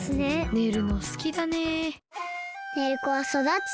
寝るのすきだね。